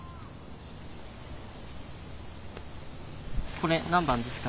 これ何番ですか？